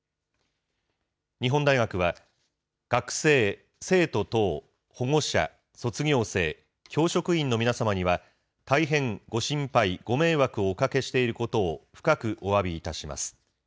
日本大学は、学生、生徒等、保護者、卒業生、教職員の皆様には、大変ご心配、ご迷惑をおかけしていることを深くおわびいたします。